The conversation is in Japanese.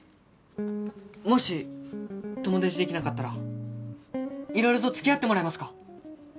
もし友達できなかったらいろいろと付き合ってもらえますか？